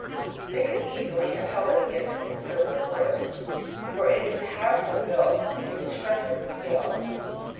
They could easily have held it against a considerable force, for it is powerfully built and constructed with skill.